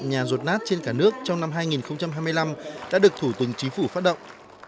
nhà rột nát trên cả nước trong năm hai nghìn hai mươi năm đã được thủ tướng chính phủ phát động